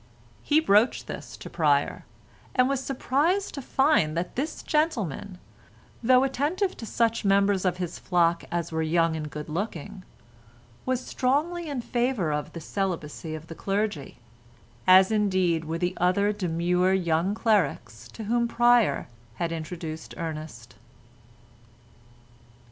He broached this to Pryer, and was surprised to find that this gentleman, though attentive to such members of his flock as were young and good looking, was strongly in favour of the celibacy of the clergy, as indeed were the other demure young clerics to whom Pryer had introduced Ernest.